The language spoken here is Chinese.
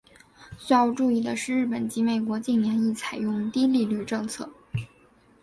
需要注意的是日本及美国近年亦采用低利率政策。